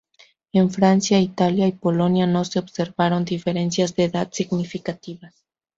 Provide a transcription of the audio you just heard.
En Francia, Italia y Polonia no se observaron diferencias de edad significativas.